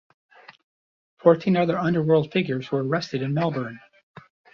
Fourteen other underworld figures were arrested in Melbourne.